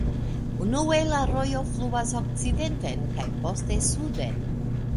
Unue la rojo fluas okcidenten kaj poste suden.